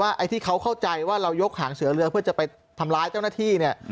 ไอ้ที่เขาเข้าใจว่าเรายกหางเสือเรือเพื่อจะไปทำร้ายเจ้าหน้าที่เนี่ย